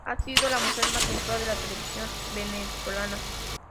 Ha sido la mujer más sensual de la televisión venezolana.